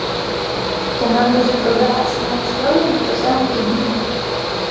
Яна будзе прадавацца на аўкцыёне на працягу тыдня.